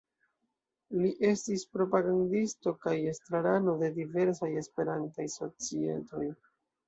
Li estis propagandisto kaj estrarano de diversaj Esperantaj societoj.